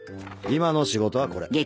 今の仕事はこれ。